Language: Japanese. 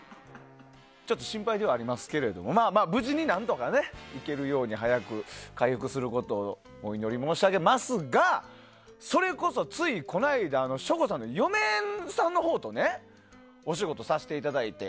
ちょっと心配ではありますけども無事に何とか行けるように早く回復することをお祈り申し上げますがそれこそ、ついこの間省吾さんの嫁さんのほうとお仕事させていただいて。